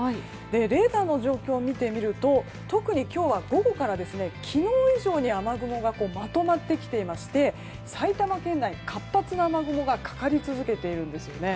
レーダーの状況を見てみると特に今日は午後から昨日以上に雨雲がまとまってきていまして埼玉県内、活発な雨雲がかかり続けているんですよね。